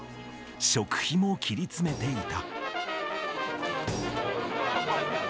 食費も切り詰めていた。